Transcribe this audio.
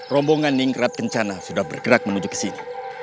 rombongan ningkrat kencana sudah bergerak menuju kesini